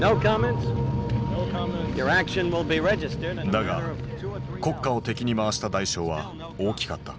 だが国家を敵に回した代償は大きかった。